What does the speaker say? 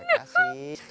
yang kasih ke mas robin